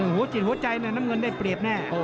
หัวจิตหัวใจเนี่ยน้ำเงินได้เปรียบแน่